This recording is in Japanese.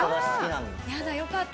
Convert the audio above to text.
やだよかった。